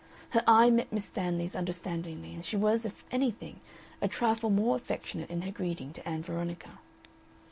Her eye met Miss Stanley's understandingly, and she was if anything a trifle more affectionate in her greeting to Ann Veronica.